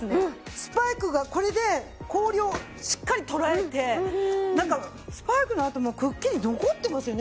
スパイクがこれで氷をしっかりとらえてスパイクの跡もくっきり残ってますよね